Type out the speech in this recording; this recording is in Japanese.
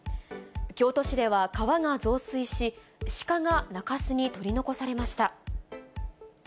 京都市では、川が増水し、鹿が中州に取り残されました。